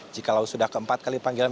jikalau sudah ke empat kali panggilan